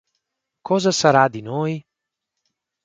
Cosa sarà di noi?